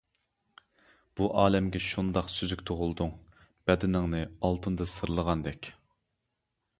بۇ ئالەمگە شۇنداق سۈزۈك تۇغۇلدۇڭ، بەدىنىڭنى ئالتۇندا سىرلىغاندەك.